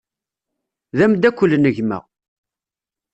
D ameddakel n gma.